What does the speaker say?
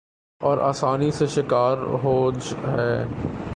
اور آسانی سے شکار ہو ج ہیں